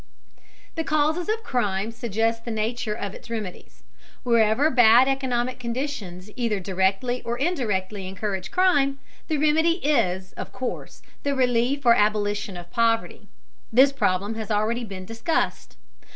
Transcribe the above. The causes of crime suggest the nature of its remedies. Wherever bad economic conditions either directly or indirectly encourage crime, the remedy is, of course, the relief or abolition of poverty. This problem has already been discussed.